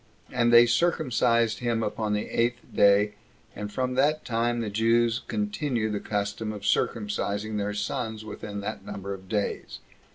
And they circumcised him upon the eighth day and from that time the Jews continue the custom of circumcising their sons within that number of days.